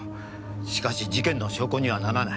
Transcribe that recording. しかし「事件の証拠にはならない。